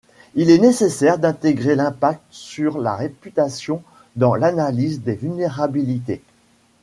Il est nécessaire d'intégrer l'impact sur la réputation dans l'analyse des vulnérabilités.